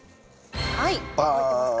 はい覚えてますか？